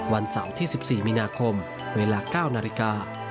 วันเสาร์ที่๑๔มีนาคมเวลา๙นาฬิกา